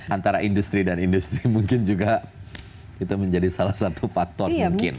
antara industri dan industri mungkin juga itu menjadi salah satu faktor mungkin